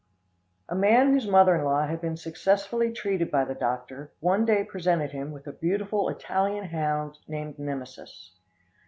A man whose mother in law had been successfully treated by the doctor, one day presented him with a beautiful Italian hound named Nemesis.